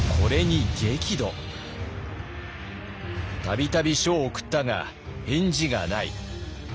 「度々書を送ったが返事がない。